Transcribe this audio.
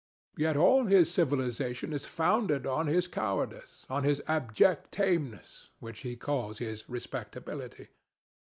Yet all his civilization is founded on his cowardice, on his abject tameness, which he calls his respectability.